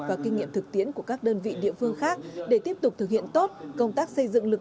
và kinh nghiệm thực tiễn của các đơn vị địa phương khác để tiếp tục thực hiện tốt công tác xây dựng lực